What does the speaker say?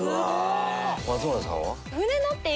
松村さんは？